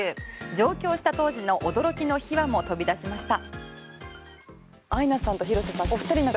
上京した当時の驚きの秘話も飛び出しました。